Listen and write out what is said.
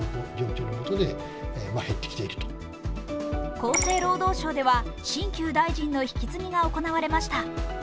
厚生労働省では新旧大臣の引き継ぎが行われました。